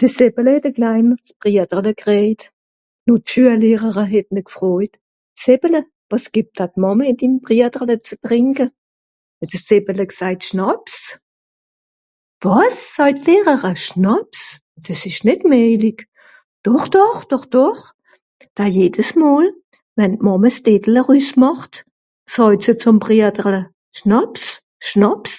"De Seppele het e kleins Brieder gekréjt, ùn d'Schüellehrere het ne gfrojt ""Seppele, wàs gìbt dann d'Màmme ìn din Brieder (...) ze trìnke ?"". Het de Seppele gsajt ""Schnàps"". ""Wàs !"" sàjt d'Lehrere ""Schnàps ! dìs ìsch nìt méjlig"". ""Doch, doch ! Doch doch ! Da jedes Mol, wenn d'Màmme s'Tétele rüssmàcht sàjt se zùm Bieder euh... : Schnàps, Schnàps !"""